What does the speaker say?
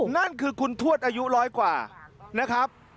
นั่นคือคุณทวดอายุร้อยกว่า